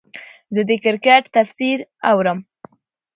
زه د کرکټ تفسیر اورم.